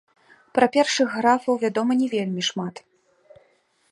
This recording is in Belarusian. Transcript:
Пра першых графаў вядома не вельмі шмат.